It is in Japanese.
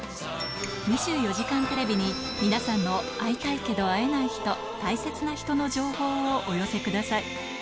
２４時間テレビに、皆さんの会いたいけど会えない人、大切な人の情報をお寄せください。